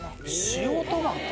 塩トマト？